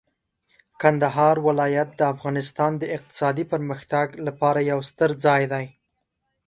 کندهار ولایت د افغانستان د اقتصادي پرمختګ لپاره یو ستر ځای دی.